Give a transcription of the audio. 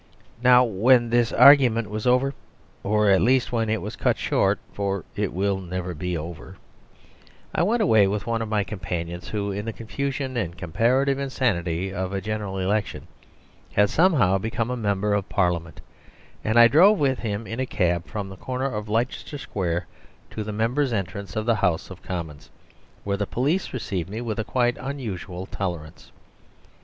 ..... Now when this argument was over, or at least when it was cut short (for it will never be over), I went away with one of my companions, who in the confusion and comparative insanity of a General Election had somehow become a member of Parliament, and I drove with him in a cab from the corner of Leicester square to the members' entrance of the House of Commons, where the police received me with a quite unusual tolerance.